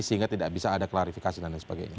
sehingga tidak bisa ada klarifikasi dan lain sebagainya